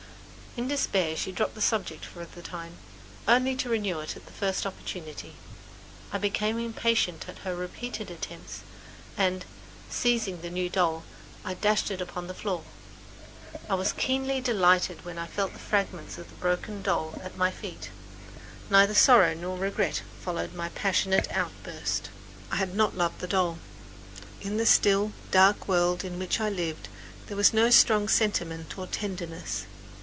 In despair she had dropped the subject for the time, only to renew it at the first opportunity. I became impatient at her repeated attempts and, seizing the new doll, I dashed it upon the floor. I was keenly delighted when I felt the fragments of the broken doll at my feet. Neither sorrow nor regret followed my passionate outburst. I had not loved the doll. In the still, dark world in which I lived there was no strong sentiment or tenderness.